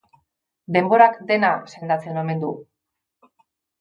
Denborak dena sendatzen omen du.